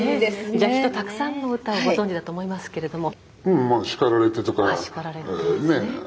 じゃあきっとたくさんの歌をご存じだと思いますけれども。